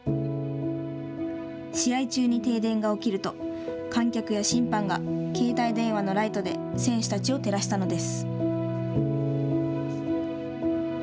試合中に停電が起きると観客や審判が携帯電話のライトで選手たちを照らしたのです。